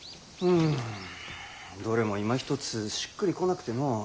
どれもいまひとつしっくりこなくてのう。